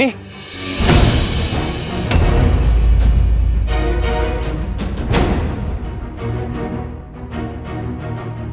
tidak ada yang dateng